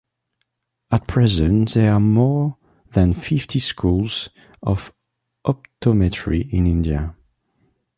At present there are more than fifty schools of optometry in India.